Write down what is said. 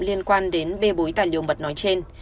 liên quan đến bê bối tài liệu mật nói trên